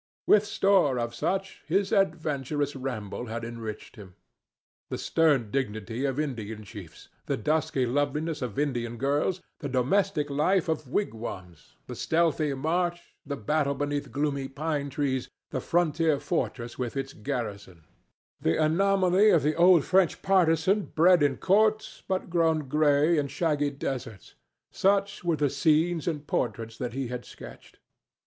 With store of such his adventurous ramble had enriched him. The stern dignity of Indian chiefs, the dusky loveliness of Indian girls, the domestic life of wigwams, the stealthy march, the battle beneath gloomy pine trees, the frontier fortress with its garrison, the anomaly of the old French partisan bred in courts, but grown gray in shaggy deserts,—such were the scenes and portraits that he had sketched.